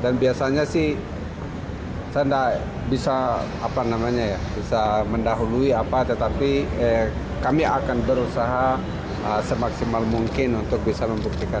dan biasanya sih saya tidak bisa mendahului apa tetapi kami akan berusaha semaksimal mungkin untuk bisa membuktikan itu